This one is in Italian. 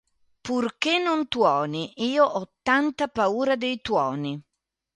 Purchè non tuoni: io ho tanta paura dei tuoni.